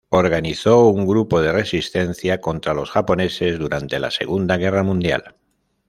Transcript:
Organizó un grupo de resistencia contra los japoneses durante la Segunda Guerra Mundial.